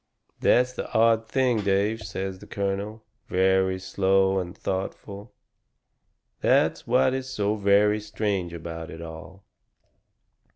"That's the odd thing, Dave," says the colonel, very slow and thoughtful. "That's what is so very strange about it all.